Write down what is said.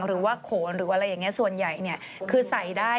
หรือว่าโขนหรืออะไรอย่างนี้ส่วนใหญ่คือใส่ได้